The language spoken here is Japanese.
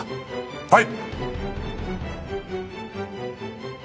はい。